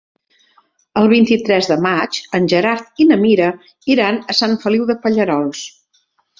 El vint-i-tres de maig en Gerard i na Mira iran a Sant Feliu de Pallerols.